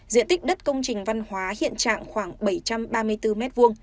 diện tích đất công trình văn hóa hiện trạng khoảng bảy trăm ba mươi bốn m hai